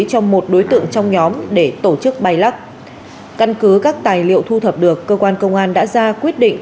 cho một đối tượng trong nhóm để tổ chức bay lắc căn cứ các tài liệu thu thập được cơ quan công an đã ra quyết định